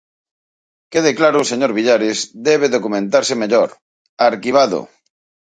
Quede claro, señor Villares, debe documentarse mellor, arquivado!